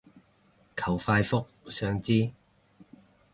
求快覆，想知